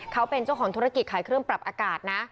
เขาเป็นเจ้าของธุรกิจขายเครื่องปรับอากาศนะ